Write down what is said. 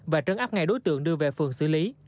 và trấn áp ngay đối tượng đưa về phường xử lý